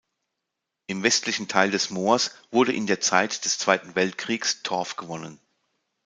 Im westlichen Teil des Moors wurde in der Zeit des Zweiten Weltkriegs Torf gewonnen.